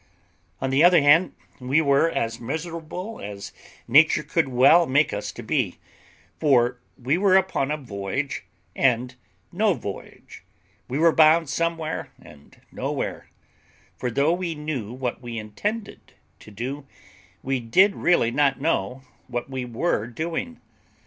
On the other hand, we were as miserable as nature could well make us to be, for we were upon a voyage and no voyage, we were bound somewhere and nowhere; for though we knew what we intended to do, we did really not know what we were doing.